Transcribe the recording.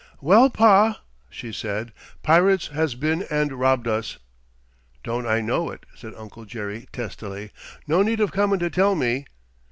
"Well, Pa," she said, "pirates has been and robbed us." "Don't I know it?" said Uncle Jerry testily. "No need of comin' to tell me."